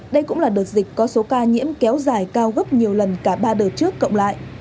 đây cũng là đợt dịch có số ca nhiễm kéo dài cao gấp nhiều lần cả ba đời trước cộng lại